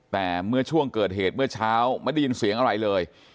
แต่เมื่อช่วงเกิดเหตุเมื่อเช้าไม่ได้ยินเสียงอะไรเลย